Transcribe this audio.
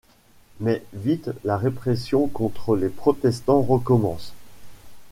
Mais vite la répression contre les protestants recommence.